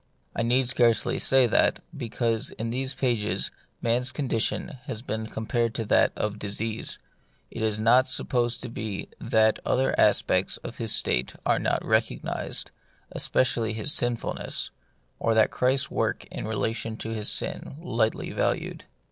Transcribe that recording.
I need scarcely say that, because in these pages man's con dition has been compared to that of disease, it is not to be supposed that other aspects of his state are not recognised, especially his sinfulness ; or that Christ's work in relation to sin is lightly valued.